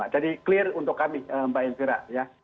jadi clear untuk kami mbak empira